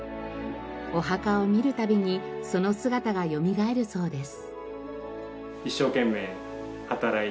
お墓を見るたびにその姿がよみがえるそうです。